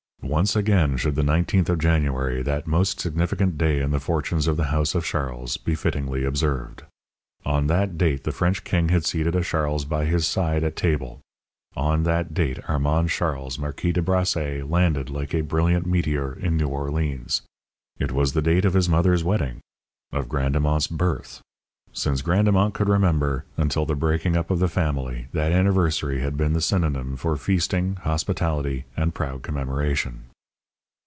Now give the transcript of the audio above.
Once again should the nineteenth of January, that most significant day in the fortunes of the house of Charles, be fittingly observed. On that date the French king had seated a Charles by his side at table; on that date Armand Charles, Marquis de Brassé, landed, like a brilliant meteor, in New Orleans; it was the date of his mother's wedding; of Grandemont's birth. Since Grandemont could remember until the breaking up of the family that anniversary had been the synonym for feasting, hospitality, and proud commemoration.